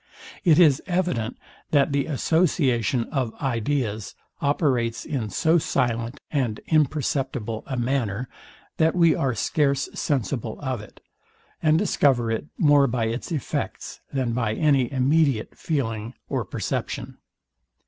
It is evident, that the association of ideas operates in so silent and imperceptible a manner, that we are scarce sensible of it, and discover it more by its effects than by any immediate feeling or perception.